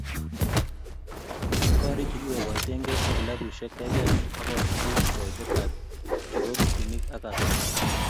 Gorik che kiboiboitekei ak kilabusiek keker ako chuchuch koitetab kibogitinik ak asenet